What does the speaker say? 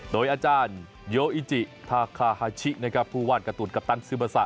โดยอาจารย์โยอิจิทาคาฮาชินะครับผู้วาดการ์ตูนกัปตันซึมซา